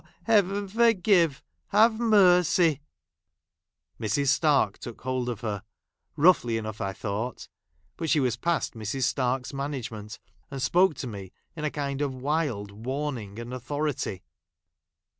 Heaven, forgive ! Have mercy !" Mrs. Stark took hold of her ; roughly enough, I thought ; but she was past Mrs. Stark's management, and spoke to me, in a , kind of wild warning and authority.